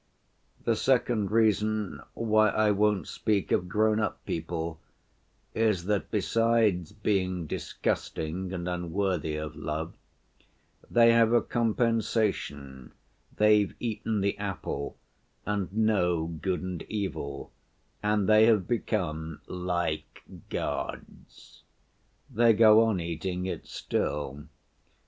The second reason why I won't speak of grown‐up people is that, besides being disgusting and unworthy of love, they have a compensation—they've eaten the apple and know good and evil, and they have become 'like gods.' They go on eating it still.